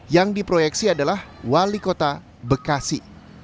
yang diproyeksi adalah wali kota bekasi